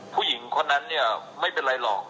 ผู้หญิงคนนั้นเนี่ยไม่เป็นไรหรอก